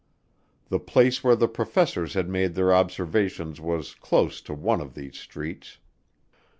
The place where the professors had made their observations was close to one of these streets.